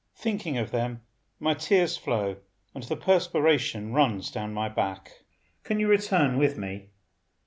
Thinking of them my tears flow and the perspiration runs down my back. Can you return with me?"